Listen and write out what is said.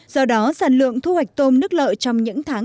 do đó sản lượng thu hoạch tôm nước lợi trong những tháng